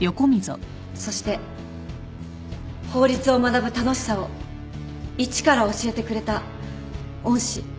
そして法律を学ぶ楽しさを一から教えてくれた恩師。